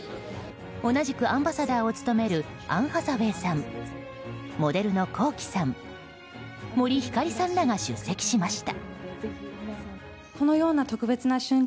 同じくアンバサダーを務めるアン・ハサウェイさんモデルのＫｏｋｉ，さん森星さんらが出席しました。